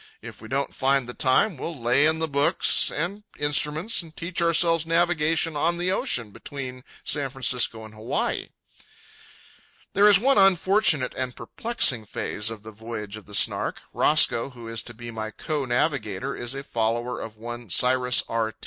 If we don't find the time, we'll lay in the books and instruments and teach ourselves navigation on the ocean between San Francisco and Hawaii. There is one unfortunate and perplexing phase of the voyage of the Snark. Roscoe, who is to be my co navigator, is a follower of one, Cyrus R.